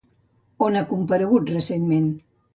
On ha comparegut recentment?